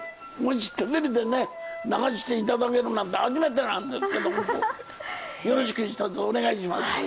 テレビで流していただけるなんて初めてなんですけど、よろしく、一つお願いします。